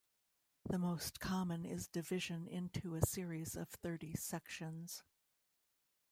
The most common is division into a series of thirty sections.